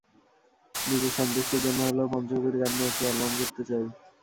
নিজের সন্তুষ্টির জন্য হলেও পঞ্চকবির গান নিয়ে একটা অ্যালবাম করতে চাই।